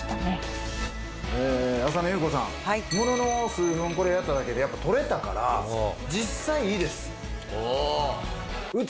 ものの数分これやっただけで取れたから実際いいです！